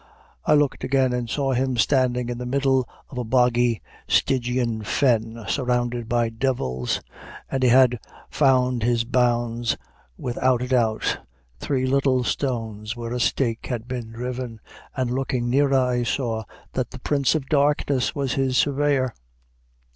I looked again, and saw him standing in the middle of a boggy, stygian fen, surrounded by devils, and he had found his bounds without a doubt, three little stones, where a stake had been driven, and looking nearer, I saw that the Prince of Darkness was his surveyor.